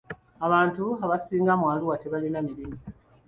Abantu abasinga mu Arua tebalina mirimu.